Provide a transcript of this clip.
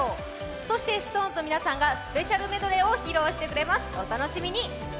そしてＳｉｘＴＯＮＥＳの皆さんがスペシャルメドレーを披露してくれます、お楽しみに。